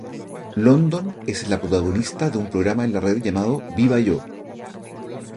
London es la protagonista de un programa en la red llamado "¡Viva yo!